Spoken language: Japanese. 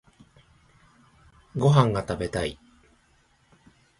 ご飯が食べたい。